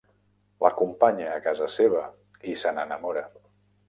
L'acompanya a casa seva i se n'enamora.